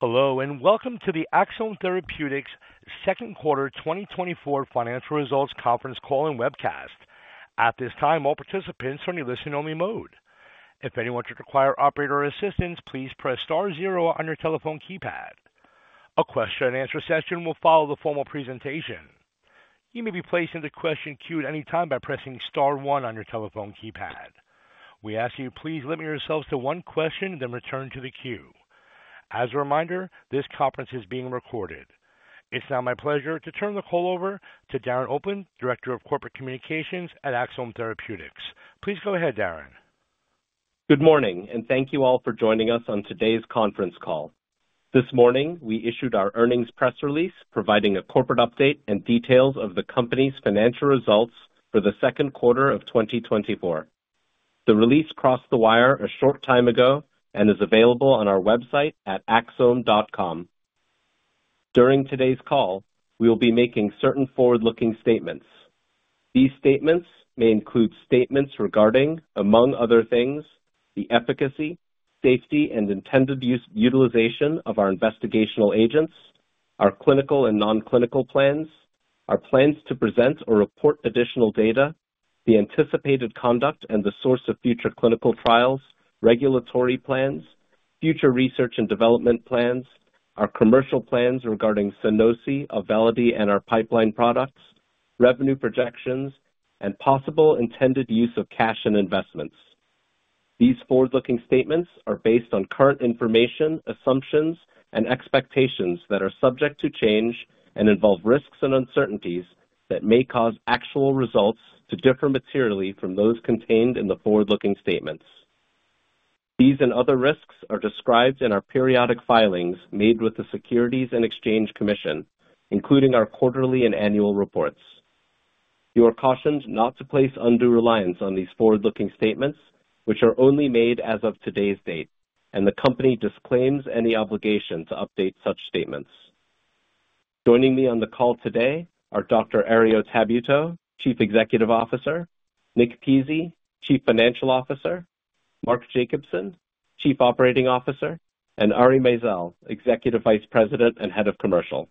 Hello, and welcome to the Axsome Therapeutics Second Quarter 2024 Financial Results Conference Call and Webcast. At this time, all participants are in listen-only mode. If anyone should require operator assistance, please press star zero on your telephone keypad. A question-and-answer session will follow the formal presentation. You may be placed in the question queue at any time by pressing star one on your telephone keypad. We ask you, please limit yourselves to one question, then return to the queue. As a reminder, this conference is being recorded. It's now my pleasure to turn the call over to Darren Opland, Director of Corporate Communications at Axsome Therapeutics. Please go ahead, Darren. Good morning, and thank you all for joining us on today's conference call. This morning, we issued our earnings press release, providing a corporate update and details of the company's financial results for the second quarter of 2024. The release crossed the wire a short time ago and is available on our website at axsome.com. During today's call, we will be making certain forward-looking statements. These statements may include statements regarding, among other things, the efficacy, safety, and intended use—utilization of our investigational agents, our clinical and non-clinical plans, our plans to present or report additional data, the anticipated conduct and the source of future clinical trials, regulatory plans, future research and development plans, our commercial plans regarding Sunosi, Auvelity, and our pipeline products, revenue projections, and possible intended use of cash and investments. These forward-looking statements are based on current information, assumptions, and expectations that are subject to change and involve risks and uncertainties that may cause actual results to differ materially from those contained in the forward-looking statements. These and other risks are described in our periodic filings made with the Securities and Exchange Commission, including our quarterly and annual reports. You are cautioned not to place undue reliance on these forward-looking statements, which are only made as of today's date, and the company disclaims any obligation to update such statements. Joining me on the call today are Dr. Herriot Tabuteau, Chief Executive Officer, Nick Pizzie, Chief Financial Officer, Mark Jacobson, Chief Operating Officer, and Ari Maizel, Executive Vice President and Head of Commercial.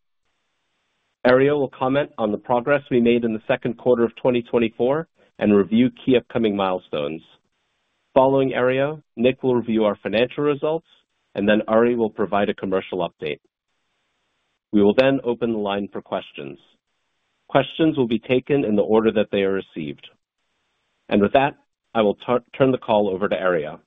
Herriot will comment on the progress we made in the second quarter of 2024 and review key upcoming milestones. Following Herriot, Nick will review our financial results, and then Ari will provide a commercial update. We will then open the line for questions. Questions will be taken in the order that they are received. And with that, I will turn the call over to Herriot.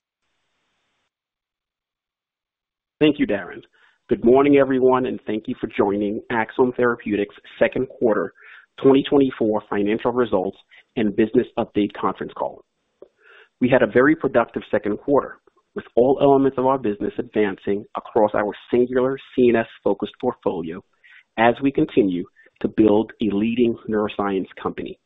Thank you, Darren. Good morning, everyone, and thank you for joining Axsome Therapeutics Second Quarter 2024 Financial Results and Business Update Conference Call. We had a very productive second quarter, with all elements of our business advancing across our singular CNS-focused portfolio as we continue to build a leading neuroscience company.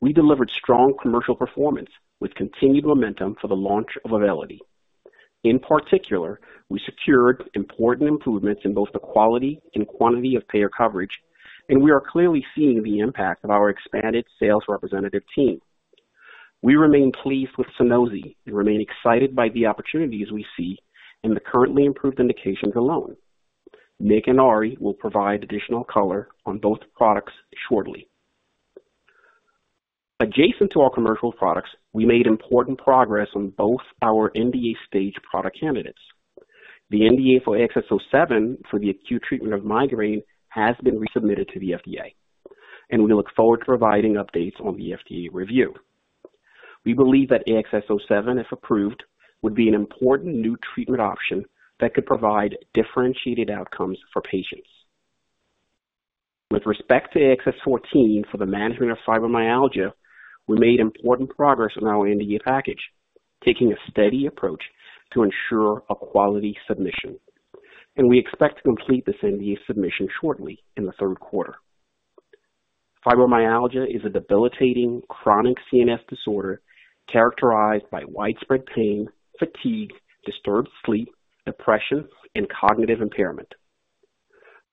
We delivered strong commercial performance with continued momentum for the launch of Auvelity. In particular, we secured important improvements in both the quality and quantity of payer coverage, and we are clearly seeing the impact of our expanded sales representative team. We remain pleased with Sunosi and remain excited by the opportunities we see in the currently approved indications alone. Nick and Ari will provide additional color on both products shortly. Adjacent to our commercial products, we made important progress on both our NDA stage product candidates. The NDA for AXS-07 for the acute treatment of migraine has been resubmitted to the FDA, and we look forward to providing updates on the FDA review. We believe that AXS-07, if approved, would be an important new treatment option that could provide differentiated outcomes for patients. With respect to AXS-14 for the management of fibromyalgia, we made important progress on our NDA package, taking a steady approach to ensure a quality submission, and we expect to complete this NDA submission shortly in the third quarter. Fibromyalgia is a debilitating chronic CNS disorder characterized by widespread pain, fatigue, disturbed sleep, depression, and cognitive impairment.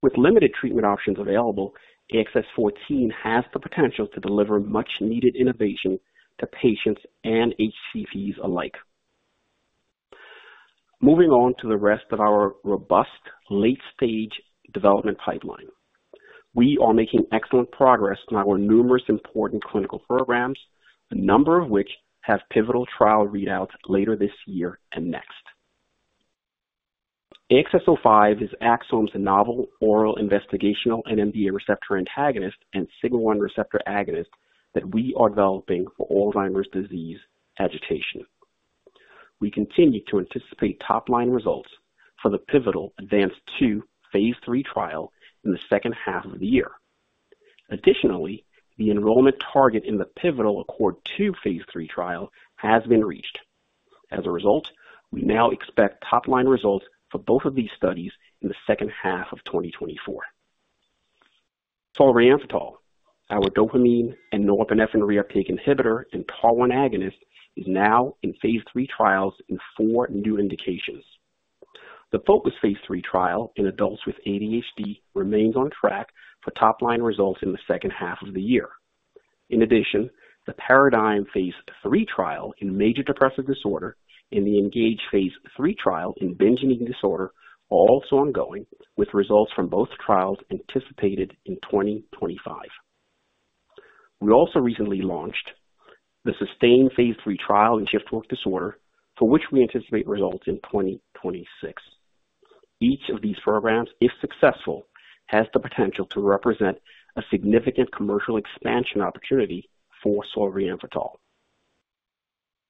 With limited treatment options available, AXS-14 has the potential to deliver much-needed innovation to patients and HCPs alike. Moving on to the rest of our robust late-stage development pipeline. We are making excellent progress on our numerous important clinical programs, a number of which have pivotal trial readouts later this year and next. AXS-05 is Axsome's novel, oral, investigational NMDA receptor antagonist and sigma-1 receptor agonist that we are developing for Alzheimer's disease agitation. We continue to anticipate top-line results for the pivotal ADVANCE-2 phase III trial in the second half of the year. Additionally, the enrollment target in the pivotal ACCORD-2 phase III trial has been reached. As a result, we now expect top-line results for both of these studies in the second half of 2024. Solriamfetol, our dopamine and norepinephrine reuptake inhibitor and TAAR1 agonist, is now in phase III trials in four new indications. The FOCUS phase III trial in adults with ADHD remains on track for top-line results in the second half of the year. In addition, the PARADIGM phase III trial in major depressive disorder and the ENGAGE phase III trial in binge eating disorder are also ongoing, with results from both trials anticipated in 2025. We also recently launched the SUSTAIN phase III trial in shift work disorder, for which we anticipate results in 2026. Each of these programs, if successful, has the potential to represent a significant commercial expansion opportunity for solriamfetol.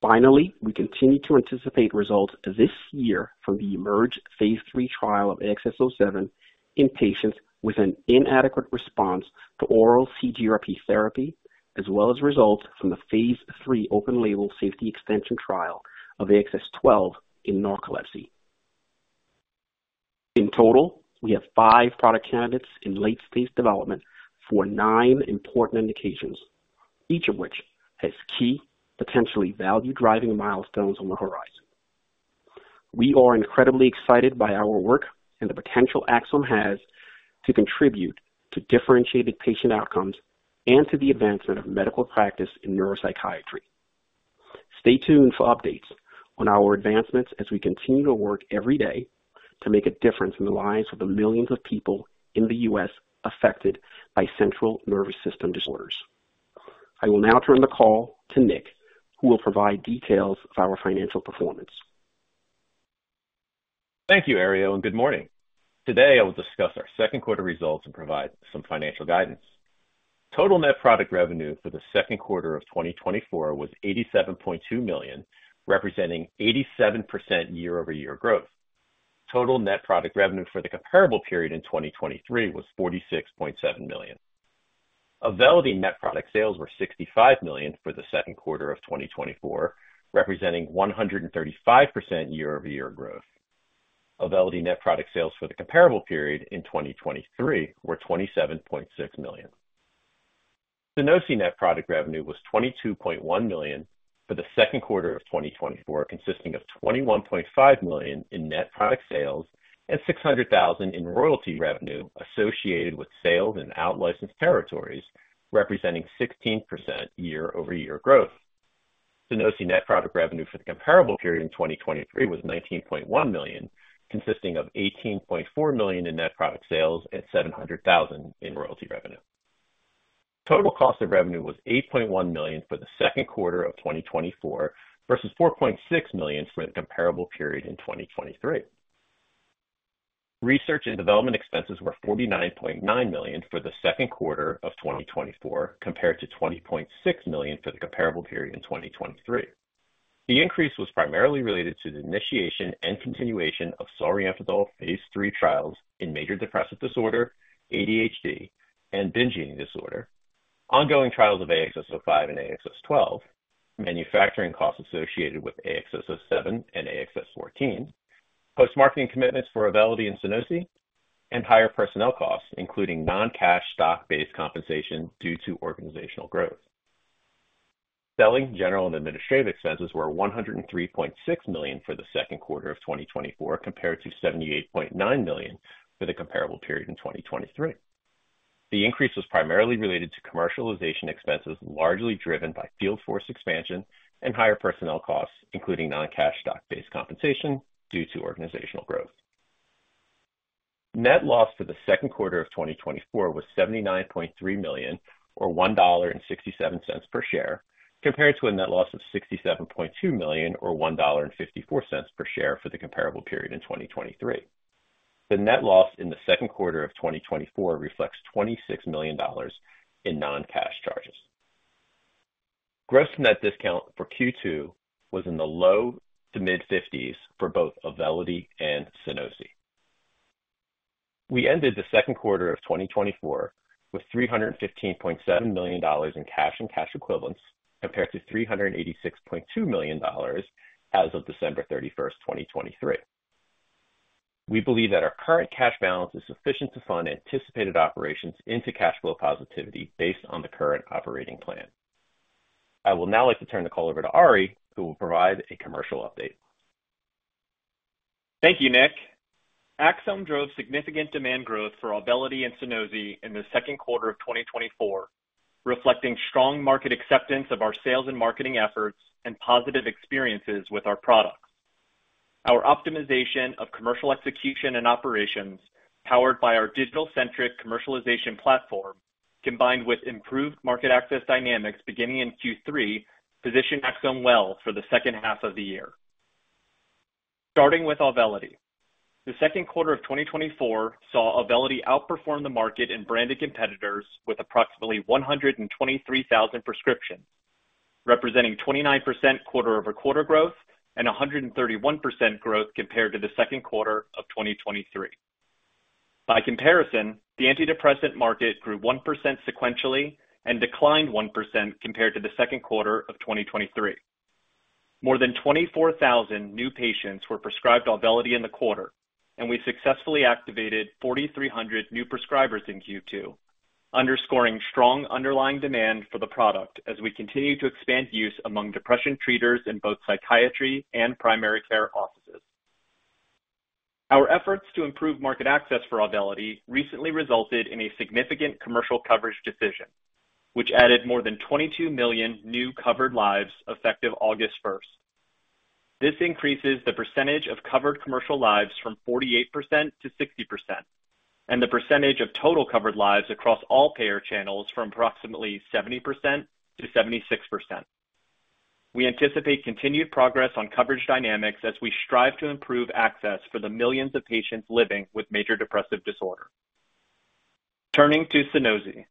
Finally, we continue to anticipate results this year from the EMERGE phase III trial of AXS-07 in patients with an inadequate response to oral CGRP therapy, as well as results from the phase III open-label safety extension trial of AXS-12 in narcolepsy. In total, we have five product candidates in late-stage development for nine important indications, each of which has key potentially value-driving milestones on the horizon. We are incredibly excited by our work and the potential Axsome has to contribute to differentiated patient outcomes and to the advancement of medical practice in neuropsychiatry. Stay tuned for updates on our advancements as we continue to work every day to make a difference in the lives of the millions of people in the US affected by central nervous system disorders. I will now turn the call to Nick, who will provide details of our financial performance. Thank you, Herriot, and good morning. Today, I will discuss our second quarter results and provide some financial guidance. Total net product revenue for the second quarter of 2024 was $87.2 million, representing 87% year-over-year growth. Total net product revenue for the comparable period in 2023 was $46.7 million. Auvelity net product sales were $65 million for the second quarter of 2024, representing 135% year-over-year growth. Auvelity net product sales for the comparable period in 2023 were $27.6 million. Sunosi net product revenue was $22.1 million for the second quarter of 2024, consisting of $21.5 million in net product sales and $600,000 in royalty revenue associated with sales in out-licensed territories, representing 16% year-over-year growth. Sunosi net product revenue for the comparable period in 2023 was $19.1 million, consisting of $18.4 million in net product sales and $700,000 in royalty revenue. Total cost of revenue was $8.1 million for the second quarter of 2024, versus $4.6 million for the comparable period in 2023. Research and development expenses were $49.9 million for the second quarter of 2024, compared to $20.6 million for the comparable period in 2023. The increase was primarily related to the initiation and continuation of solriamfetol phase III trials in major depressive disorder, ADHD, and binge eating disorder, ongoing trials of AXS-05 and AXS-12, manufacturing costs associated with AXS-07 and AXS-14, post-marketing commitments for Auvelity and Sunosi, and higher personnel costs, including non-cash stock-based compensation due to organizational growth. Selling, general and administrative expenses were $103.6 million for the second quarter of 2024, compared to $78.9 million for the comparable period in 2023. The increase was primarily related to commercialization expenses, largely driven by field force expansion and higher personnel costs, including non-cash stock-based compensation due to organizational growth. Net loss for the second quarter of 2024 was $79.3 million, or $1.67 per share, compared to a net loss of $67.2 million, or $1.54 per share for the comparable period in 2023. The net loss in the second quarter of 2024 reflects $26 million in non-cash charges. Gross-to-net discount for Q2 was in the low to mid-50s for both Auvelity and Sunosi. We ended the second quarter of 2024 with $315.7 million in cash and cash equivalents, compared to $386.2 million as of December 31st, 2023. We believe that our current cash balance is sufficient to fund anticipated operations into cash flow positivity based on the current operating plan. I would now like to turn the call over to Ari, who will provide a commercial update. Thank you, Nick. Axsome drove significant demand growth for Auvelity and Sunosi in the second quarter of 2024, reflecting strong market acceptance of our sales and marketing efforts and positive experiences with our products. Our optimization of commercial execution and operations, powered by our digital-centric commercialization platform, combined with improved market access dynamics beginning in Q3, position Axsome well for the second half of the year. Starting with Auvelity. The second quarter of 2024 saw Auvelity outperform the market in branded competitors with approximately 123,000 prescriptions, representing 29% quarter-over-quarter growth and 131% growth compared to the second quarter of 2023. By comparison, the antidepressant market grew 1% sequentially and declined 1% compared to the second quarter of 2023. More than 24,000 new patients were prescribed Auvelity in the quarter, and we successfully activated 4,300 new prescribers in Q2, underscoring strong underlying demand for the product as we continue to expand use among depression treaters in both psychiatry and primary care offices. Our efforts to improve market access for Auvelity recently resulted in a significant commercial coverage decision, which added more than 22 million new covered lives effective August 1st. This increases the percentage of covered commercial lives from 48%-60%, and the percentage of total covered lives across all payer channels from approximately 70%-76%. We anticipate continued progress on coverage dynamics as we strive to improve access for the millions of patients living with major depressive disorder. Turning to Sunosi.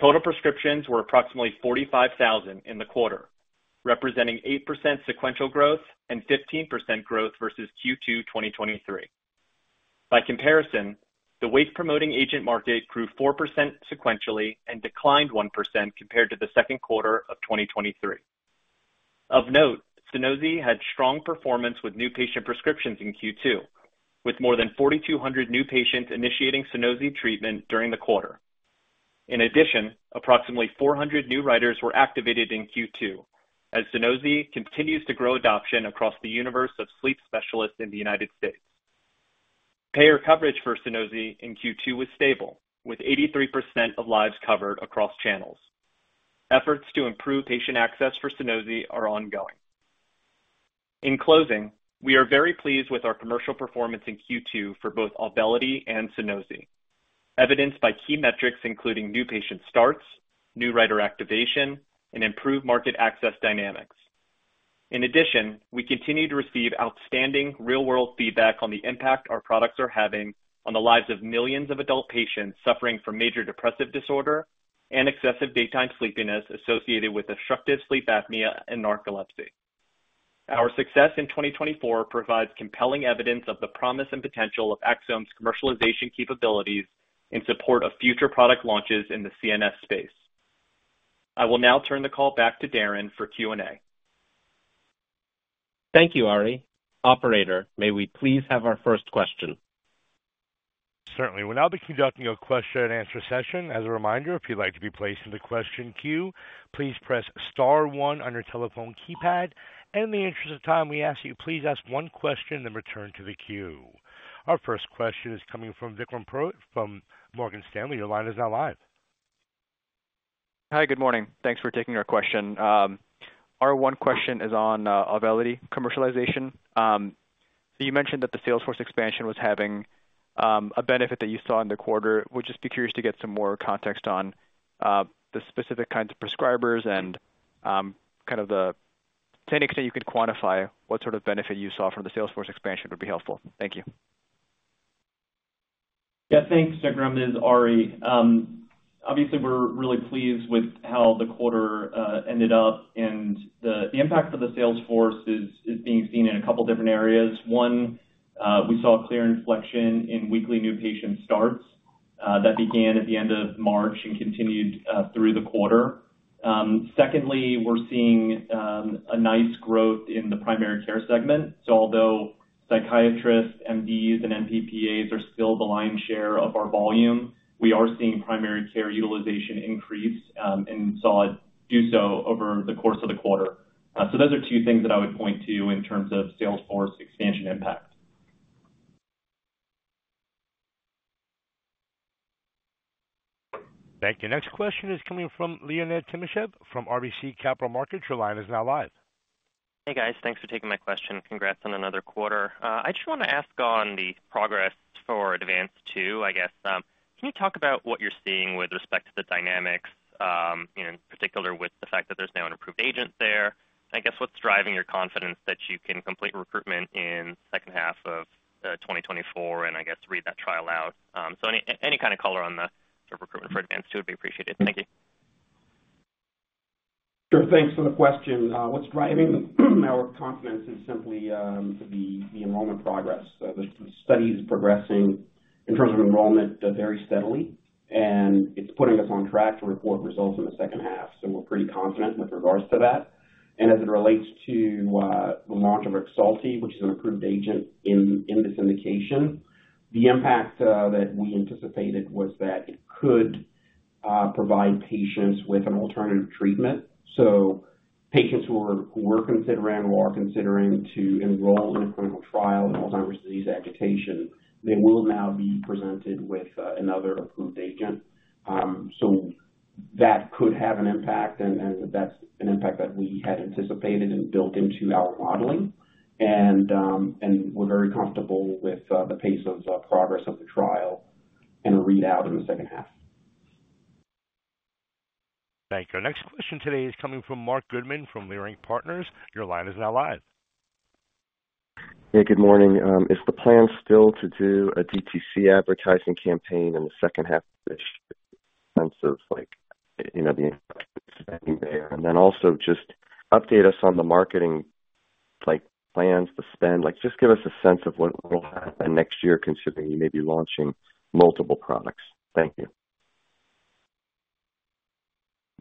Total prescriptions were approximately 45,000 in the quarter, representing 8% sequential growth and 15% growth versus Q2 2023. By comparison, the wake-promoting agent market grew 4% sequentially and declined 1% compared to the second quarter of 2023. Of note, Sunosi had strong performance with new patient prescriptions in Q2, with more than 4,200 new patients initiating Sunosi treatment during the quarter. In addition, approximately 400 new writers were activated in Q2 as Sunosi continues to grow adoption across the universe of sleep specialists in the United States. Payer coverage for Sunosi in Q2 was stable, with 83% of lives covered across channels. Efforts to improve patient access for Sunosi are ongoing. In closing, we are very pleased with our commercial performance in Q2 for both Auvelity and Sunosi, evidenced by key metrics including new patient starts, new writer activation, and improved market access dynamics. In addition, we continue to receive outstanding real-world feedback on the impact our products are having on the lives of millions of adult patients suffering from major depressive disorder and excessive daytime sleepiness associated with obstructive sleep apnea and narcolepsy. Our success in 2024 provides compelling evidence of the promise and potential of Axsome's commercialization capabilities in support of future product launches in the CNS space. I will now turn the call back to Darren for Q&A. Thank you, Ari. Operator, may we please have our first question? Certainly. We'll now be conducting a question-and-answer session. As a reminder, if you'd like to be placed in the question queue, please press star one on your telephone keypad. In the interest of time, we ask you please ask one question, then return to the queue. Our first question is coming from Vikram Purohit from Morgan Stanley. Your line is now live. Hi, good morning. Thanks for taking our question. Our one question is on Auvelity commercialization. So you mentioned that the sales force expansion was having a benefit that you saw in the quarter. Would just be curious to get some more context on the specific kinds of prescribers and kind of the techniques that you could quantify. What sort of benefit you saw from the sales force expansion would be helpful. Thank you. Yeah, thanks, Vikram. This is Ari. Obviously, we're really pleased with how the quarter ended up, and the impact of the sales force is being seen in a couple different areas. One, we saw a clear inflection in weekly new patient starts that began at the end of March and continued through the quarter. Secondly, we're seeing a nice growth in the primary care segment. So although psychiatrists, MDs and NPPAs are still the lion's share of our volume, we are seeing primary care utilization increase and saw it do so over the course of the quarter. So those are two things that I would point to in terms of sales force expansion impact. Thank you. Next question is coming from Leonid Timashev from RBC Capital Markets. Your line is now live. Hey, guys. Thanks for taking my question. Congrats on another quarter. I just want to ask on the progress for ADVANCE-2, I guess. Can you talk about what you're seeing with respect to the dynamics, in particular, with the fact that there's now an approved agent there? I guess, what's driving your confidence that you can complete recruitment in the second half of 2024, and I guess, read that trial out? So any kind of color on the recruitment for ADVANCE-2 would be appreciated. Thank you. Sure. Thanks for the question. What's driving our confidence is simply the enrollment progress. The study is progressing in terms of enrollment very steadily, and it's putting us on track to report results in the second half. So we're pretty confident with regards to that. And as it relates to the launch of REXULTI, which is an approved agent in this indication, the impact that we anticipated was that it could provide patients with an alternative treatment. So patients who were considering or are considering to enroll in a clinical trial in Alzheimer's disease agitation, they will now be presented with another approved agent. So that could have an impact, and that's an impact that we had anticipated and built into our modeling. We're very comfortable with the pace of progress of the trial and a readout in the second half. Thank you. Our next question today is coming from Marc Goodman from Leerink Partners. Your line is now live. Hey, good morning. Is the plan still to do a DTC advertising campaign in the second half of this? Sense of like, you know, the spending there. And then also just update us on the marketing, like, plans to spend. Like, just give us a sense of what will happen next year, considering you may be launching multiple products. Thank you.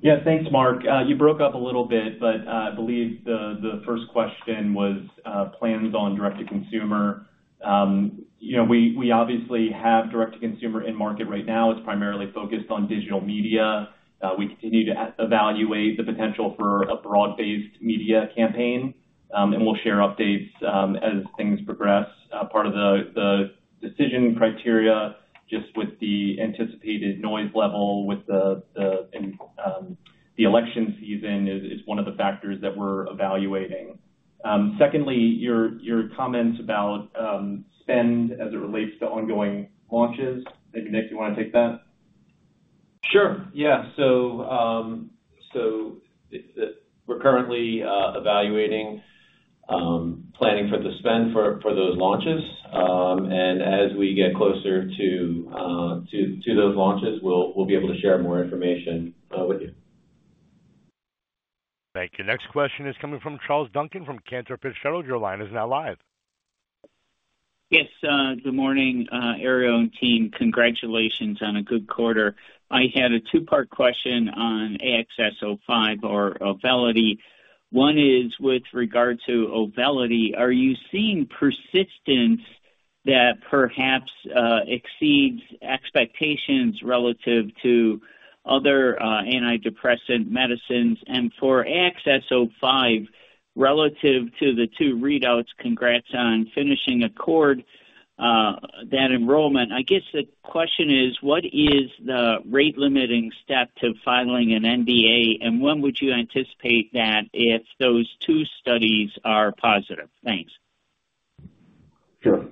Yeah, thanks, Marc. You broke up a little bit, but I believe the first question was plans on direct-to-consumer. You know, we obviously have direct-to-consumer in market right now. It's primarily focused on digital media. We continue to evaluate the potential for a broad-based media campaign and we'll share updates, as things progress. Part of the decision criteria, just with the anticipated noise level, with the election season is one of the factors that we're evaluating. Secondly, your comments about spend as it relates to ongoing launches. Maybe, Nick, you want to take that? Sure. Yeah. So, it's we're currently evaluating, planning for the spend for those launches. And as we get closer to those launches, we'll be able to share more information with you. Thank you. Next question is coming from Charles Duncan from Cantor Fitzgerald. Your line is now live. Yes, good morning, Herriot and team. Congratulations on a good quarter. I had a two-part question on AXS-05 or Auvelity. One is, with regard to Auvelity, are you seeing persistence that perhaps exceeds expectations relative to other antidepressant medicines? And for AXS-05, relative to the two readouts, congrats on finishing ACCORD that enrollment. I guess the question is: What is the rate-limiting step to filing an NDA, and when would you anticipate that if those two studies are positive? Thanks. Sure.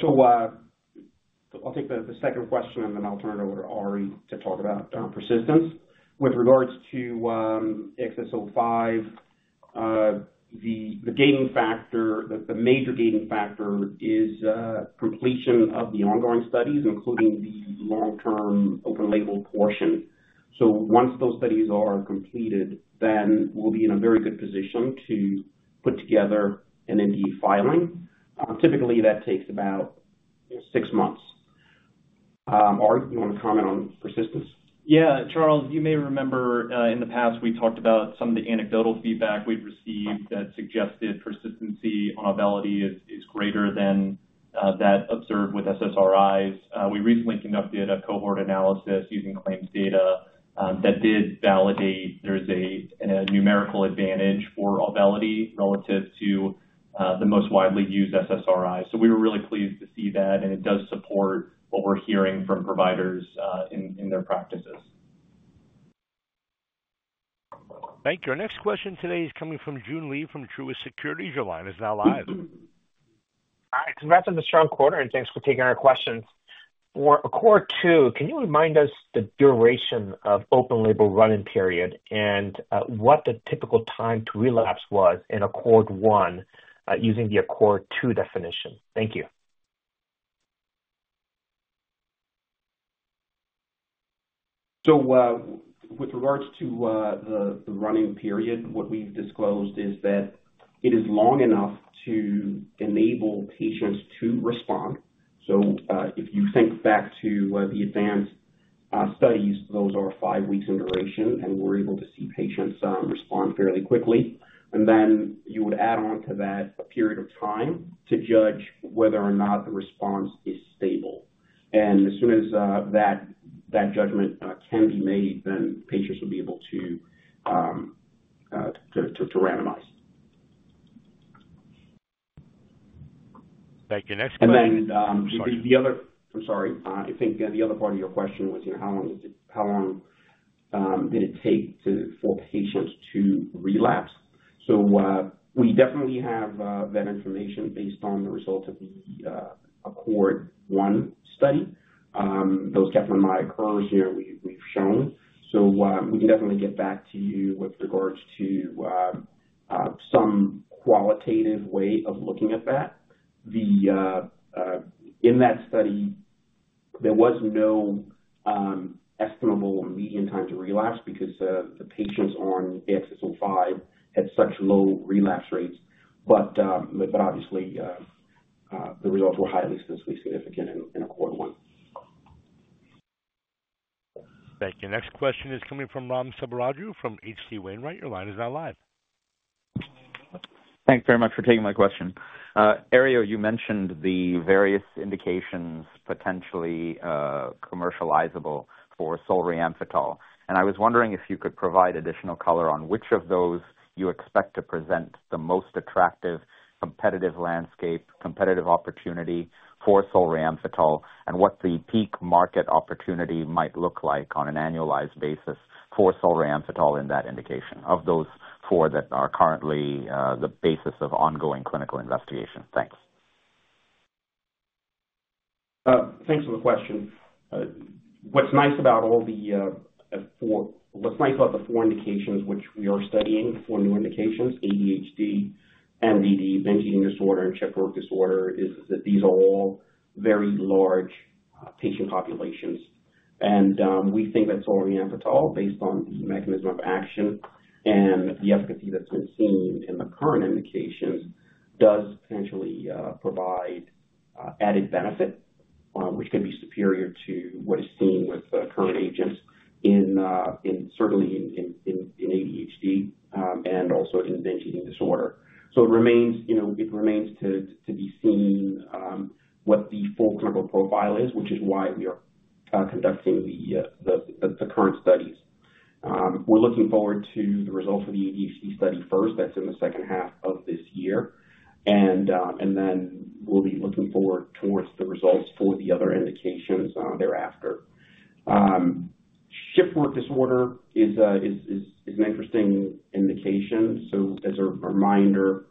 So, I'll take the second question, and then I'll turn it over to Ari to talk about persistence. With regards to AXS-05, the gating factor, the major gating factor is completion of the ongoing studies, including the long-term open-label portion. So once those studies are completed, then we'll be in a very good position to put together an NDA filing. Typically, that takes about six months. Ari, you want to comment on persistence? Yeah. Charles, you may remember, in the past, we talked about some of the anecdotal feedback we've received that suggested persistency on Auvelity is greater than that observed with SSRIs. We recently conducted a cohort analysis using claims data that did validate there's a numerical advantage for Auvelity relative to the most widely used SSRI. So we were really pleased to see that, and it does support what we're hearing from providers in their practices. Thank you. Our next question today is coming from Joon Lee from Truist Securities. Your line is now live. Hi. Congrats on the strong quarter, and thanks for taking our questions. For ACCORD-2, can you remind us the duration of open-label run-in period and what the typical time to relapse was in ACCORD-1, using the ACCORD-2 definition? Thank you. So, with regards to the run-in period, what we've disclosed is that it is long enough to enable patients to respond. So, if you think back to the ADVANCE studies, those are five weeks in duration, and we're able to see patients respond fairly quickly. And then you would add on to that a period of time to judge whether or not the response is stable. And as soon as that judgment can be made, then patients will be able to randomize. Thank you. Next- And then, I'm sorry. I think the other part of your question was, you know, how long is it, how long did it take for patients to relapse? So, we definitely have that information based on the results of the ACCORD-1 study. Those definitely occur here. We've shown. So, we can definitely get back to you with regards to some qualitative way of looking at that. In that study, there was no estimable median time to relapse because the patients on AXS-05 had such low relapse rates. But obviously the results were highly statistically significant in ACCORD-1. Thank you. Next question is coming from Raghuram Selvaraju from H.C. Wainwright. Your line is now live. Thanks very much for taking my question. Ari, you mentioned the various indications potentially commercializable for solriamfetol. I was wondering if you could provide additional color on which of those you expect to present the most attractive, competitive landscape, competitive opportunity for solriamfetol, and what the peak market opportunity might look like on an annualized basis for solriamfetol in that indication, of those four that are currently the basis of ongoing clinical investigation. Thanks. Thanks for the question. What's nice about all the four indications which we are studying for new indications, ADHD, MDD, binge eating disorder, and shift work disorder, is that these are all very large patient populations. We think that solriamfetol, based on the mechanism of action and the efficacy that's been seen in the current indications, does potentially provide added benefit, which can be superior to what is seen with current agents in ADHD and also in binge eating disorder. So it remains, you know, it remains to be seen what the full clinical profile is, which is why we are conducting the current studies. We're looking forward to the results of the ADHD study first. That's in the second half of this year. And then we'll be looking forward towards the results for the other indications thereafter. Shift work disorder is an interesting indication. So as a reminder,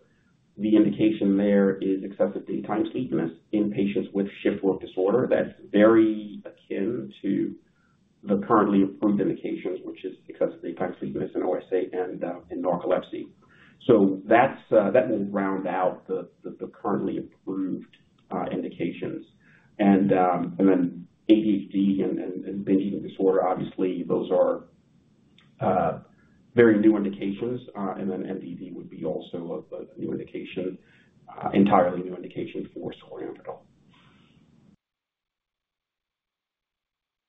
the indication there is excessive daytime sleepiness in patients with shift work disorder. That's very akin to the currently approved indications, which is excessive daytime sleepiness in OSA and in narcolepsy. So that will round out the currently approved indications. And then ADHD and binge eating disorder, obviously, those are very new indications. And then MDD would be also a new indication, entirely new indication for solriamfetol.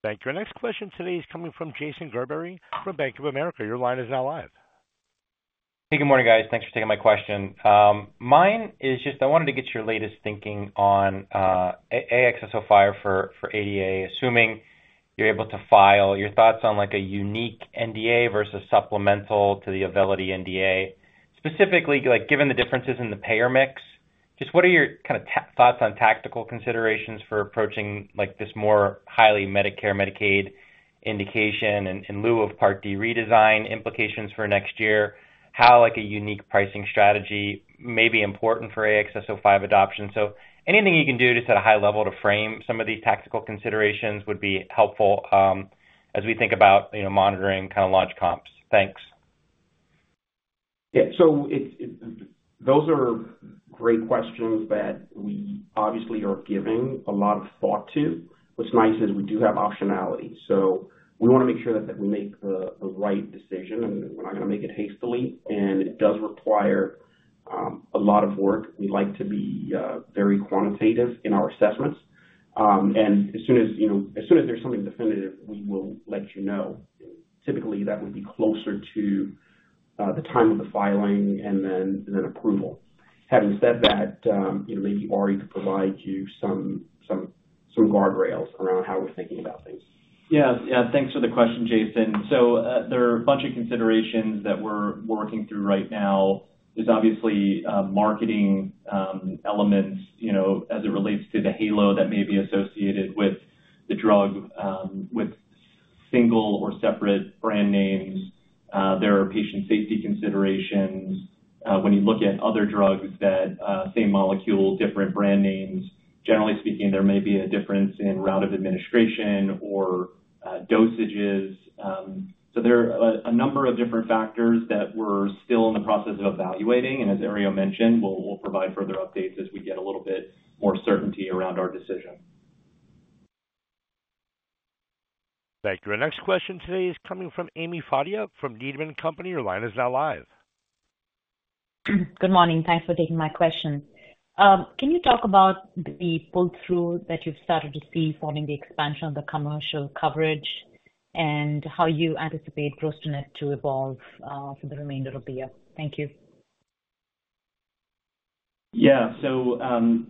Thank you. Our next question today is coming from Jason Gerberry from Bank of America. Your line is now live. Hey, good morning, guys. Thanks for taking my question. Mine is just I wanted to get your latest thinking on AXS-05 for ADA, assuming you're able to file your thoughts on, like, a unique NDA versus supplemental to the Auvelity NDA. Specifically, like, given the differences in the payer mix, just what are your kind of thoughts on tactical considerations for approaching, like, this more highly Medicare/Medicaid indication and in lieu of Part D redesign implications for next year, how like a unique pricing strategy may be important for AXS-05 adoption? So anything you can do, just at a high level to frame some of these tactical considerations would be helpful, as we think about, you know, monitoring kind of launch comps. Thanks. Yeah. So it's those are great questions that we obviously are giving a lot of thought to. What's nice is we do have optionality, so we want to make sure that we make the right decision, and we're not going to make it hastily, and it does require a lot of work. We like to be very quantitative in our assessments. And as soon as, you know, as soon as there's something definitive, we will let you know. Typically, that would be closer to the time of the filing and then approval. Having said that, you know, maybe Ari could provide you some guardrails around how we're thinking about things. Yeah. Yeah, thanks for the question, Jason. So, there are a bunch of considerations that we're working through right now. There's obviously marketing elements, you know, as it relates to the halo that may be associated with the drug with single or separate brand names. There are patient safety considerations. When you look at other drugs that same molecule, different brand names, generally speaking, there may be a difference in route of administration or dosages. So there are a number of different factors that we're still in the process of evaluating, and as Herriot mentioned, we'll provide further updates as we get a little bit more certainty around our decision. Thank you. Our next question today is coming from Ami Fadia from Needham and Company. Your line is now live. Good morning. Thanks for taking my question. Can you talk about the pull-through that you've started to see following the expansion of the commercial coverage and how you anticipate gross net to evolve, for the remainder of the year? Thank you. Yeah. So,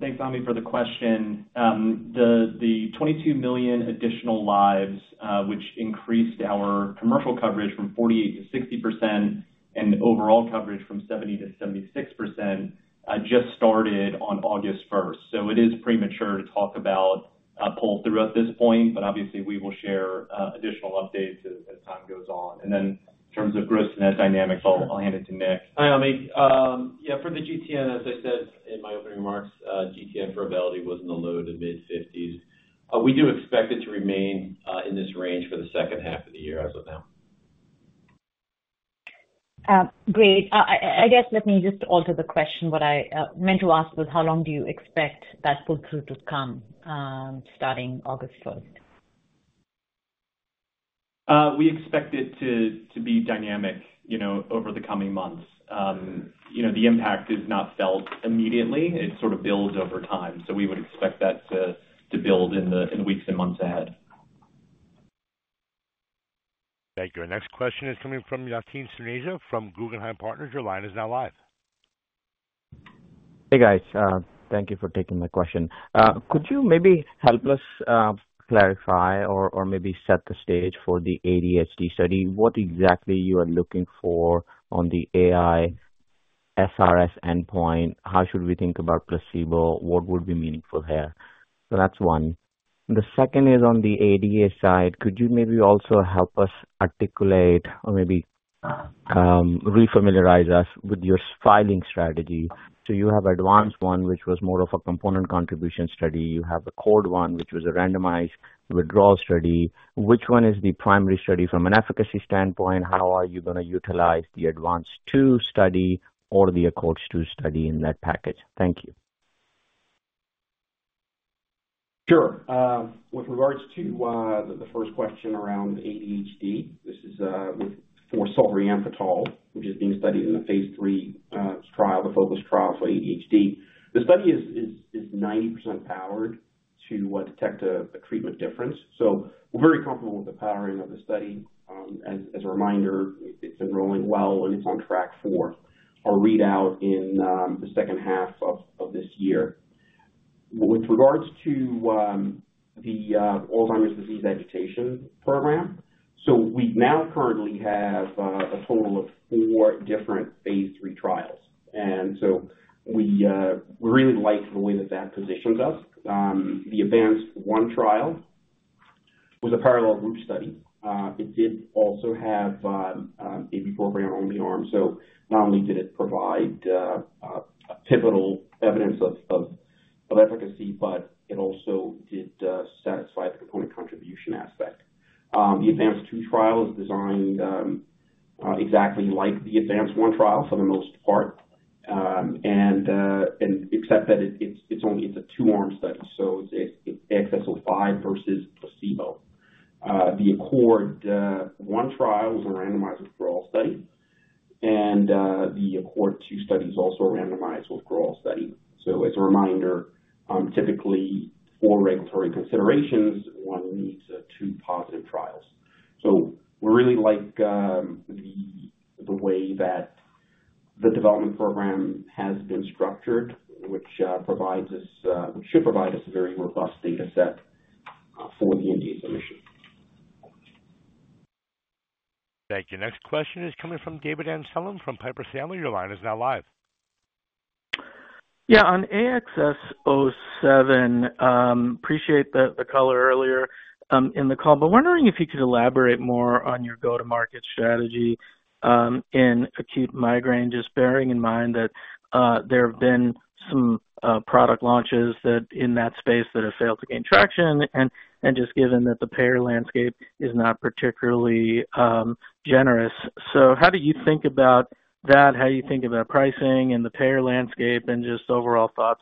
thanks, Ami, for the question. The 22 million additional lives, which increased our commercial coverage from 48%-60% and overall coverage from 70%-76%, just started on August 1st. So it is premature to talk about a pull-through at this point, but obviously, we will share additional updates as time goes on. And then in terms of gross net dynamics, I'll hand it to Nick. Hi, Ami. Yeah, for the GTN, as I said in my opening remarks, GTN for Auvelity was in the low to mid-50s. We do expect it to remain in this range for the second half of the year as of now. Great. I guess let me just alter the question. What I meant to ask was: how long do you expect that pull-through to come, starting August 1st? We expect it to be dynamic, you know, over the coming months. You know, the impact is not felt immediately. It sort of builds over time. So we would expect that to build in the weeks and months ahead. Thank you. Our next question is coming from Yatin Suneja from Guggenheim Partners. Your line is now live. Hey, guys. Thank you for taking my question. Could you maybe help us clarify or maybe set the stage for the ADHD study? What exactly are you looking for on the AISRS endpoint? How should we think about placebo? What would be meaningful here? So that's one. The second is on the ADA side. Could you maybe also help us articulate or maybe refamiliarize us with your filing strategy? So you have ADVANCE-1, which was more of a component contribution study. You have the ACCORD-1, which was a randomized withdrawal study. Which one is the primary study from an efficacy standpoint? How are you going to utilize the ADVANCE-2 study or the ACCORD-2 study in that package? Thank you. Sure. With regards to the first question around ADHD, this is with for solriamfetol, which is being studied in the phase III trial, the FOCUS trial for ADHD. The study is 90% powered to detect a treatment difference. So we're very comfortable with the powering of the study. As a reminder, it's enrolling well, and it's on track for a readout in the second half of this year. With regards to the Alzheimer's disease agitation program, we now currently have a total of four different phase III trials. We really like the way that that positions us. The ADVANCE-1 trial was a parallel group study. It did also have a bupropion arm. So not only did it provide a pivotal evidence of efficacy, but it also did satisfy the component contribution aspect. The ADVANCE-2 trial is designed exactly like the ADVANCE-1 trial for the most part, and except that it's only a two-arm study, so it's AXS-05 versus placebo. The ACCORD-1 trial was a randomized withdrawal study, and the ACCORD-2 study is also a randomized withdrawal study. So as a reminder, typically for regulatory considerations, one needs two positive trials. So we really like the way that the development program has been structured, which provides us should provide us a very robust data set for the NDA submission. Thank you. Next question is coming from David Amsellem from Piper Sandler. Your line is now live. Yeah, on AXS-07, appreciate the color earlier in the call, but wondering if you could elaborate more on your go-to-market strategy in acute migraine, just bearing in mind that there have been some product launches in that space that have failed to gain traction, and just given that the payer landscape is not particularly generous. So how do you think about that? How do you think about pricing and the payer landscape and just overall thoughts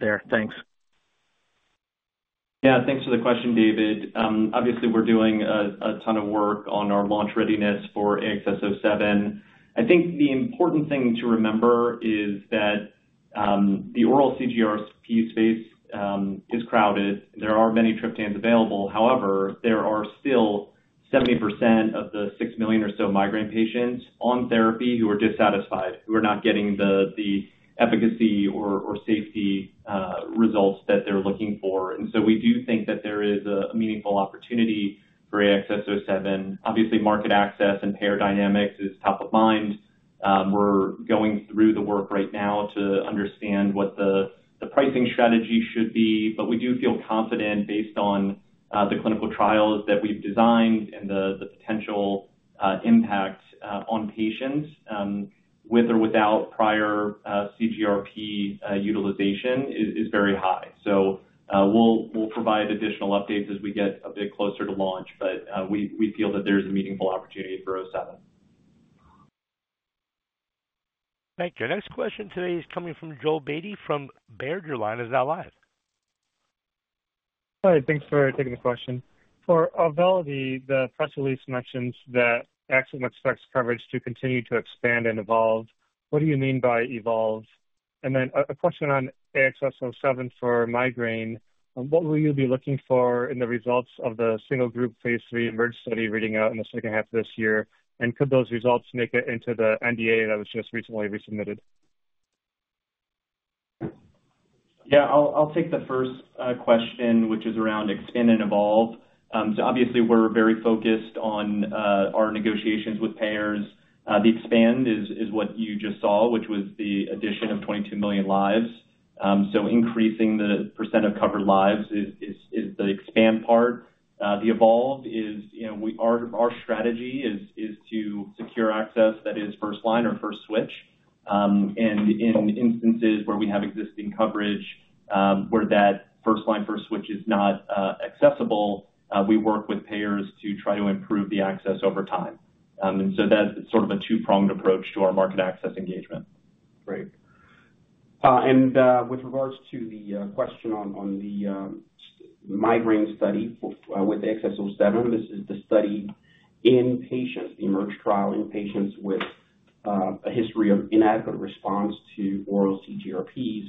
there? Thanks. Yeah, thanks for the question, David. Obviously, we're doing a ton of work on our launch readiness for AXS-07. I think the important thing to remember is that the oral CGRP space is crowded. There are many triptans available. However, there are still 70% of the 6 million or so migraine patients on therapy who are dissatisfied, who are not getting the efficacy or safety results that they're looking for. And so we do think that there is a meaningful opportunity for AXS-07. Obviously, market access and payer dynamics is top of mind. We're going through the work right now to understand what the pricing strategy should be, but we do feel confident based on the clinical trials that we've designed and the potential impact on patients with or without prior CGRP utilization is very high. So, we'll provide additional updates as we get a bit closer to launch, but we feel that there's a meaningful opportunity for AXS-07. Thank you. Our next question today is coming from Joel Beatty from Baird. Your line is now live. Hi, thanks for taking the question. For Auvelity, the press release mentions that Axsome expects coverage to continue to expand and evolve. What do you mean by evolve? And then a question on AXS-07 for migraine. What will you be looking for in the results of the single-group phase III EMERGE study reading out in the second half of this year? And could those results make it into the NDA that was just recently resubmitted? Yeah, I'll take the first question, which is around expand and evolve. So obviously, we're very focused on our negotiations with payers. The expand is what you just saw, which was the addition of 22 million lives. So increasing the percent of covered lives is the expand part. The evolve is, you know, our strategy is to secure access that is first line or first switch. And in instances where we have existing coverage, where that first line, first switch is not accessible, we work with payers to try to improve the access over time. And so that's sort of a two-pronged approach to our market access engagement. Great. And with regards to the question on the migraine study with AXS-07, this is the study in patients, the EMERGE trial in patients with a history of inadequate response to oral CGRPs.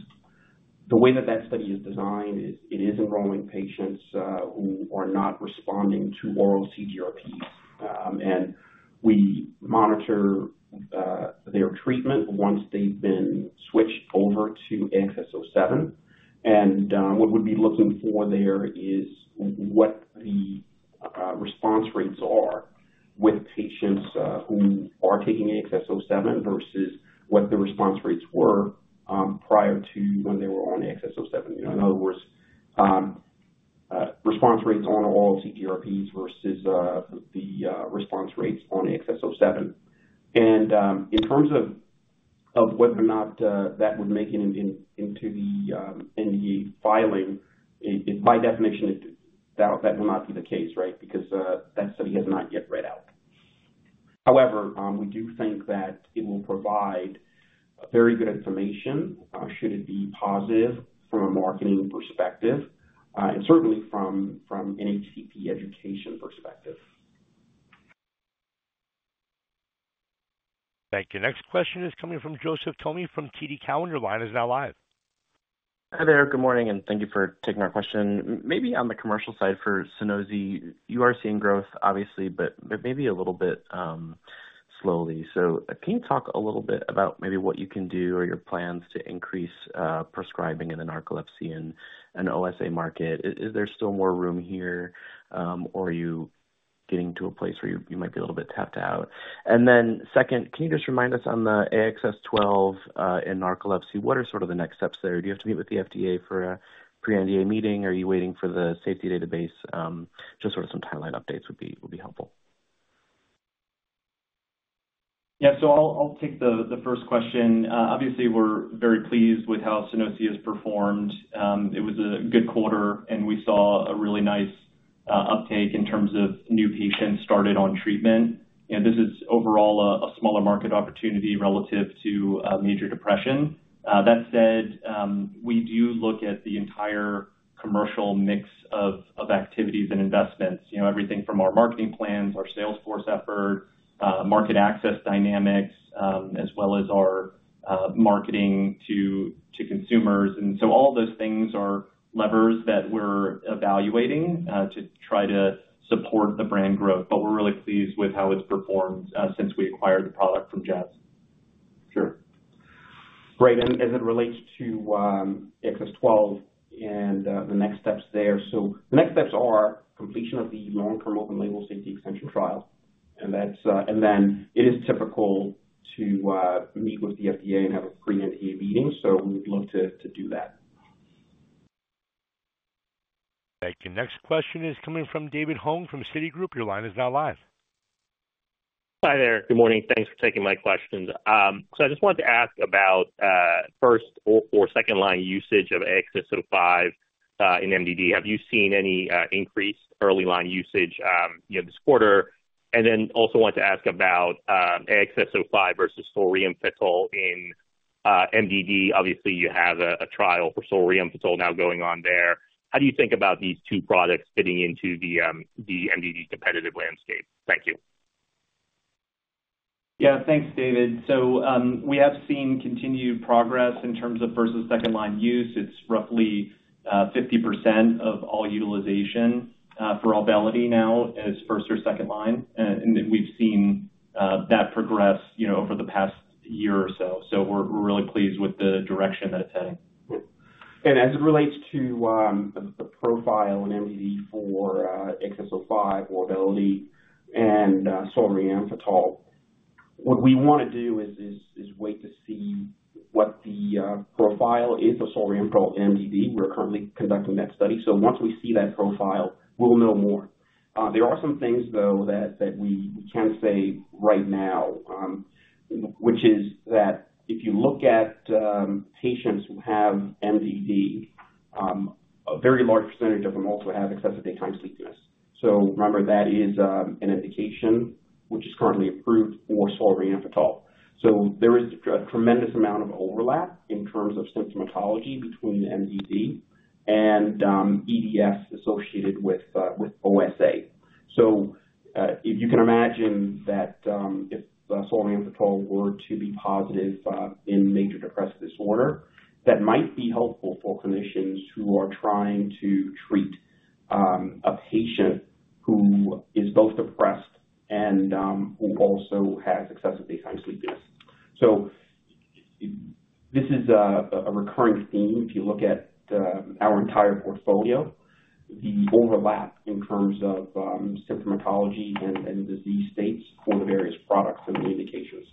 The way that that study is designed is it is enrolling patients who are not responding to oral CGRPs, and we monitor their treatment once they've been switched over to AXS-07. And what we'd be looking for there is what the response rates are with patients who are taking AXS-07 versus what the response rates were prior to when they were on AXS-07. You know, in other words, response rates on all CGRPs versus the response rates on AXS-07. In terms of whether or not that would make it into the NDA filing, it by definition, that will not be the case, right? Because that study has not yet read out. However, we do think that it will provide very good information, should it be positive from a marketing perspective, and certainly from an HCP education perspective. Thank you. Next question is coming from Joseph Thome from TD Cowen. Your line is now live. Hi there, good morning, and thank you for taking our question. Maybe on the commercial side for Sunosi, you are seeing growth, obviously, but maybe a little bit slowly. So can you talk a little bit about maybe what you can do or your plans to increase prescribing in the narcolepsy and OSA market? Is there still more room here, or are you getting to a place where you might be a little bit tapped out? And then second, can you just remind us on the AXS-12 in narcolepsy, what are sort of the next steps there? Do you have to meet with the FDA for a pre-NDA meeting, or are you waiting for the safety database? Just sort of some timeline updates would be helpful. Yeah. So I'll take the first question. Obviously, we're very pleased with how Sunosi has performed. It was a good quarter, and we saw a really nice uptake in terms of new patients started on treatment. And this is overall a smaller market opportunity relative to major depression. That said, we do look at the entire commercial mix of activities and investments. You know, everything from our marketing plans, our sales force effort, market access dynamics, as well as our marketing to consumers. And so all of those things are levers that we're evaluating to try to support the brand growth, but we're really pleased with how it's performed since we acquired the product from Jazz. Sure. Great. And as it relates to, AXS-12 and, the next steps there. So the next steps are completion of the long-term open-label safety extension trial, and that's, and then it is typical to, meet with the FDA and have a pre-NDA meeting, so we'd look to, to do that. Thank you. Next question is coming from David Hoang from Citigroup. Your line is now live. Hi there. Good morning. Thanks for taking my questions. So I just wanted to ask about first or second line usage of AXS-05 in MDD. Have you seen any increased early line usage, you know, this quarter? And then also want to ask about AXS-05 versus solriamfetol in MDD. Obviously, you have a trial for solriamfetol now going on there. How do you think about these two products fitting into the MDD competitive landscape? Thank you. Yeah, thanks, David. So, we have seen continued progress in terms of first and second line use. It's roughly 50% of all utilization for Auvelity now is first or second line. And then we've seen that progress, you know, over the past year or so. So we're really pleased with the direction that it's heading. And as it relates to the profile in MDD for AXS-05, Auvelity and solriamfetol, what we want to do is wait to see what the profile is for solriamfetol in MDD. We're currently conducting that study. So once we see that profile, we'll know more. There are some things, though, that we can say right now, which is that if you look at patients who have MDD, a very large percentage of them also have excessive daytime sleepiness. So remember, that is an indication which is currently approved for solriamfetol. So there is a tremendous amount of overlap in terms of symptomatology between MDD and EDS associated with OSA. So, if you can imagine that, if solriamfetol were to be positive in major depressive disorder, that might be helpful for clinicians who are trying to treat a patient who is both depressed and who also has excessive daytime sleepiness. So this is a recurring theme. If you look at our entire portfolio, the overlap in terms of symptomatology and disease states for the various products and the indications.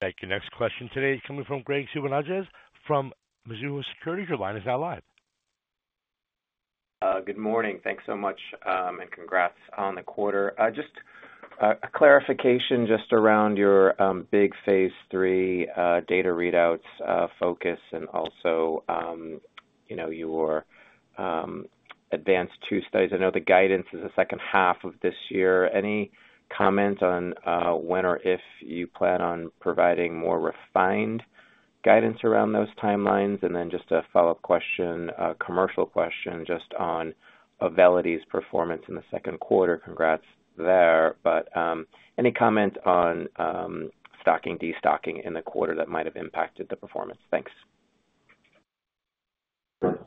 Thank you. Next question today is coming from Graig Suvannavejh from Mizuho Securities. Your line is now live. Good morning. Thanks so much, and congrats on the quarter. Just a clarification just around your big phase III data readouts, FOCUS and also, you know, your ADVANCE-2 studies. I know the guidance is the second half of this year. Any comments on when or if you plan on providing more refined guidance around those timelines? And then just a follow-up question, a commercial question, just on Auvelity's performance in the second quarter. Congrats there, but any comment on stocking, destocking in the quarter that might have impacted the performance? Thanks. Sure.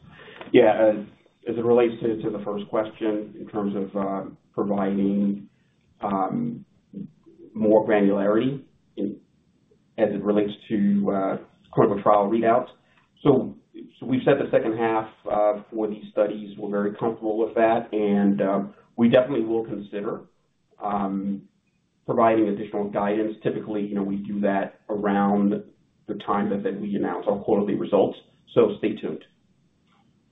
Yeah, as it relates to the first question, in terms of providing more granularity in, as it relates to clinical trial readouts. So we've said the second half for these studies, we're very comfortable with that, and we definitely will consider providing additional guidance. Typically, you know, we do that around the time that we announce our quarterly results, so stay tuned.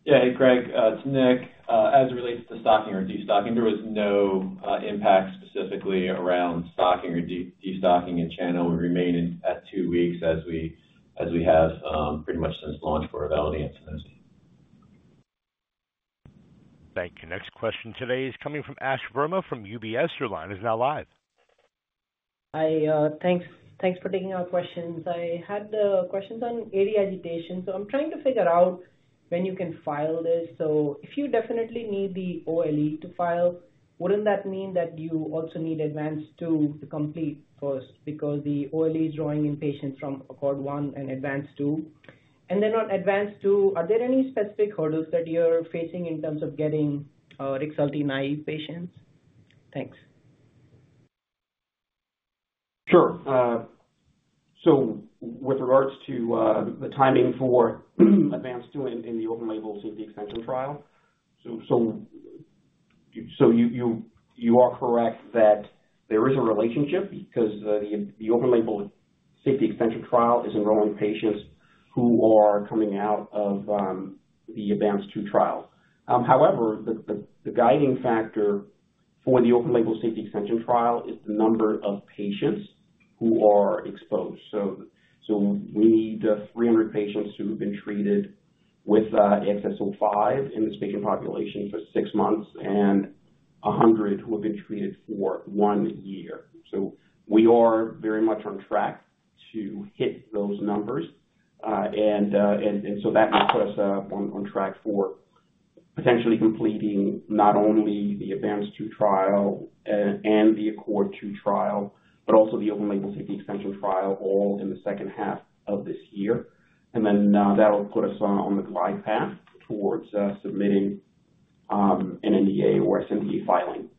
Yeah, hey, Graig, it's Nick. As it relates to stocking or destocking, there was no impact specifically around stocking or de-destocking in channel. We remain in at two weeks as we, as we have, pretty much since launch for Auvelity and Sunosi. Thank you. Next question today is coming from Ashwani Verma from UBS. Your line is now live. Thanks, thanks for taking our questions. I had the questions on AD agitation, so I'm trying to figure out when you can file this. So if you definitely need the OLE to file, wouldn't that mean that you also need ADVANCE-2 to complete first? Because the OLE is drawing in patients from ACCORD-1 and ADVANCE-2. And then on ADVANCE-2, are there any specific hurdles that you're facing in terms of getting REXULTI-naive patients? Thanks. Sure. So with regards to the timing for ADVANCE-2 in the open-label safety extension trial. So you are correct that there is a relationship because the open-label safety extension trial is enrolling patients who are coming out of the ADVANCE-2 trial. However, the guiding factor for the open label safety extension trial is the number of patients who are exposed. So we need 300 patients who have been treated with AXS-05 in this patient population for six months and 100 who have been treated for one year. So we are very much on track to hit those numbers. And so that will put us on track for potentially completing not only the ADVANCE-2 trial and the ACCORD-2 trial, but also the open-label safety extension trial, all in the second half of this year. And then, that'll put us on the glide path towards submitting an NDA or sNDA filing.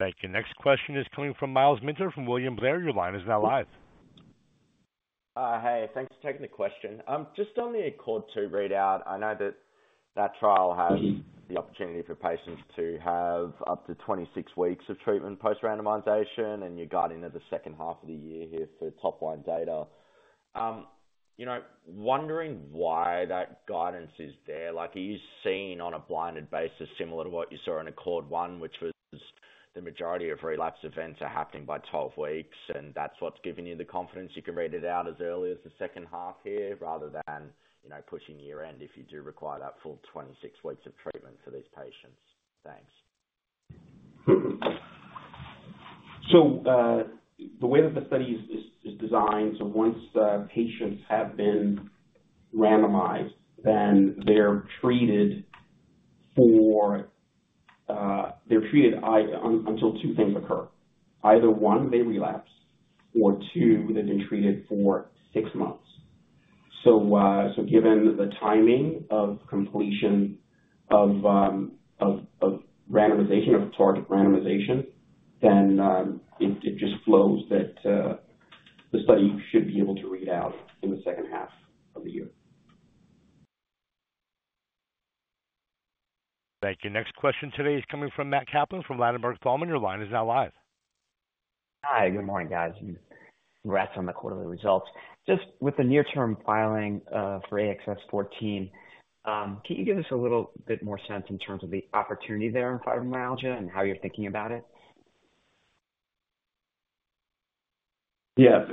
Thank you. Next question is coming from Myles Minter from William Blair. Your line is now live. Hey, thanks for taking the question. Just on the ACCORD-2 readout, I know that that trial has the opportunity for patients to have up to 26 weeks of treatment post-randomization, and you're guiding in the second half of the year here for top line data. You know, wondering why that guidance is there. Like, are you seeing on a blinded basis, similar to what you saw in ACCORD-1, which was the majority of relapse events are happening by 12 weeks, and that's what's giving you the confidence you can read it out as early as the second half here, rather than, you know, pushing year-end, if you do require that full 26 weeks of treatment for these patients? Thanks. So, the way that the study is designed, so once the patients have been randomized, then they're treated until two things occur. Either, one, they relapse, or two, they've been treated for 6 months. So, given the timing of completion of target randomization, then, it just flows that the study should be able to read out in the second half of the year. Thank you. Next question today is coming from Matt Kaplan from Ladenburg Thalmann. Your line is now live. Hi, good morning, guys, and congrats on the quarterly results. Just with the near-term filing for AXS-14, can you give us a little bit more sense in terms of the opportunity there in fibromyalgia and how you're thinking about it? Yeah.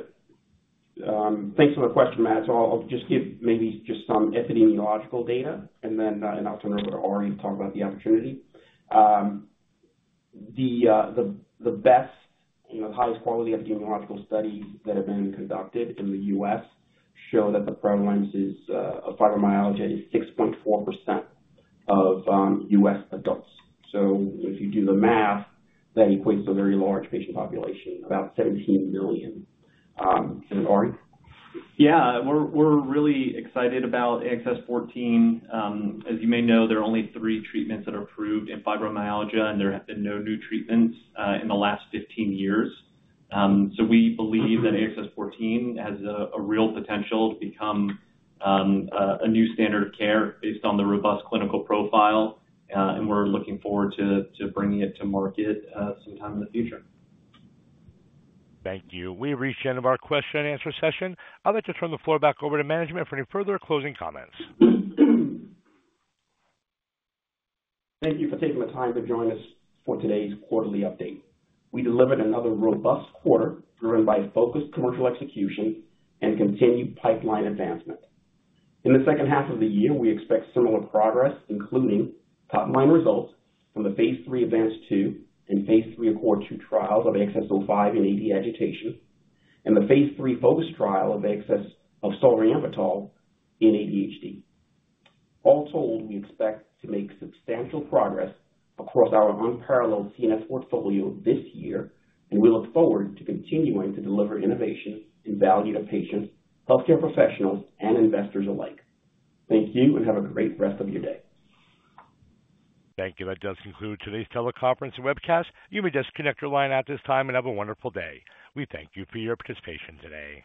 Thanks for the question, Matt. So I'll just give maybe just some epidemiological data, and then I'll turn over to Ari to talk about the opportunity. The best, you know, highest quality epidemiological studies that have been conducted in the U.S. show that the prevalence of fibromyalgia is 6.4% of U.S. adults. So if you do the math, that equates to a very large patient population, about 17 million. And Ari? Yeah, we're really excited about AXS-14. As you may know, there are only three treatments that are approved in fibromyalgia, and there have been no new treatments in the last 15 years. So we believe that AXS-14 has a real potential to become a new standard of care based on the robust clinical profile, and we're looking forward to bringing it to market sometime in the future. Thank you. We've reached the end of our question-and-answer session. I'd like to turn the floor back over to management for any further closing comments. Thank you for taking the time to join us for today's quarterly update. We delivered another robust quarter, driven by focused commercial execution and continued pipeline advancement. In the second half of the year, we expect similar progress, including top-line results from the phase III ADVANCE-2 and phase III ACCORD-2 trials of AXS-05 in AD agitation, and the phase III FOCUS trial of solriamfetol in ADHD. All told, we expect to make substantial progress across our unparalleled CNS portfolio this year, and we look forward to continuing to deliver innovation and value to patients, healthcare professionals, and investors alike. Thank you, and have a great rest of your day. Thank you. That does conclude today's teleconference and webcast. You may disconnect your line at this time and have a wonderful day. We thank you for your participation today.